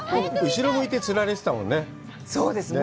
後ろ向いてつられてたよね。